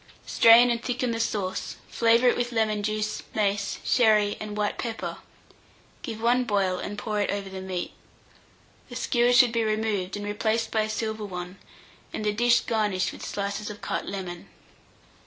Strain and thicken the sauce, flavour it with lemon juice, mace, sherry, and white pepper; give one boil, and pour it over the meat. The skewers should be removed, and replaced by a silver one, and the dish garnished with slices of cut lemon.